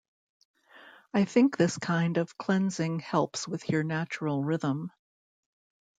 I think this kind of cleansing helps with your natural rhythm.